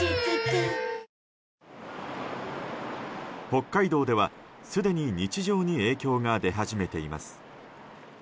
北海道では、すでに日常に影響が出始めています。